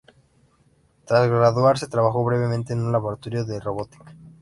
Tras graduarse trabajó brevemente en un laboratorio de robótica.